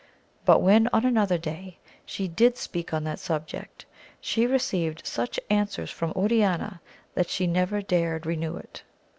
But when on another day, she did speak on that subject, she received such answers from Oriana, that she never dared renew it.